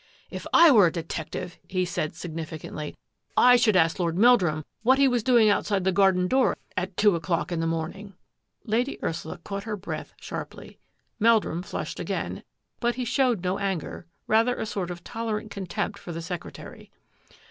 " K I were a detective," he said significantly, " I should ask Lord Meldrum what he was doing out side the garden door at two o'clock in the mom ing." Lady Ursula caught her breath sharply. Mel drum flushed again, but he showed no anger, rather a sort of tolerant contempt for the secretary.